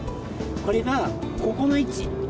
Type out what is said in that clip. これがここの位置。